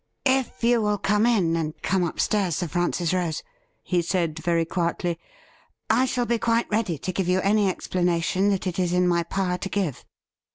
' If you will come in, and come upstairs. Sir Francis Rose,' he said very quietly, ' I shall be quite ready to give you any explanation that it is in my power to give.'